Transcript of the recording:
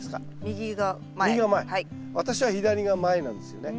私は左が前なんですよね。